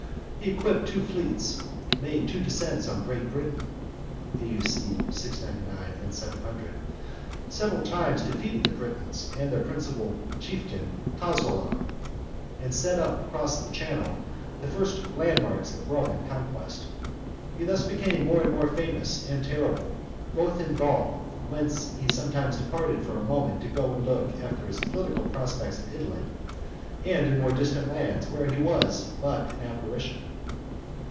He equipped two fleets, made two descents on Great Britain (A. U. C. 699, 700), several times defeated the Britons and their principal chieftain Caswallon (Cassivellaunus), and set up across the channel, the first landmarks of Roman conquest. He thus became more and more famous and terrible, both in Gaul, whence he sometimes departed for a moment to go and look after his political prospects in Italy, and in more distant lands, where he was but an apparition.